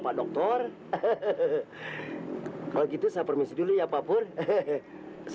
maka susu pak mansur akan dihubungi